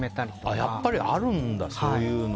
やっぱりあるんだ、そういうの。